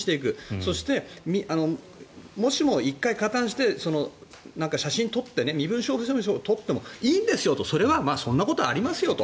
そして、もしも１回加担して写真を撮って身分証明書を撮ってもいいんですよとそれはそんなことありますよと。